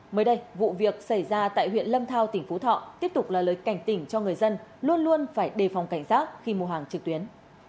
mới đây vụ việc xảy ra tại huyện lâm thao tỉnh phú thọ tiếp tục là lời cảnh tỉnh cho người dân luôn luôn phải đề phòng cảnh giác khi mua hàng trực tuyến